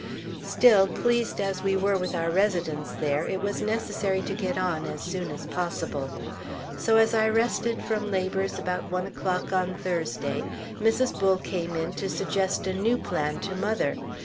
Still, pleased as we were with our residence there, it was necessary to get on as soon as possible. So as I rested from labors about one o'clock on Thursday, Mrs. Bull came in to suggest a new plan to mother.